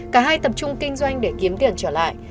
cả hai tập trung kinh doanh để kiếm tiền trở lại